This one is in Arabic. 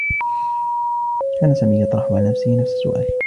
كان سامي يطرح على نفسه نفس السّؤال.